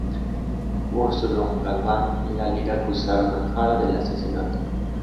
Úrsulo Galván y la Liga acusaron a Jara del asesinato.